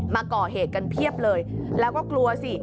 มาก่อเหตุกันเพียบเลยแล้วก็กลัวสิ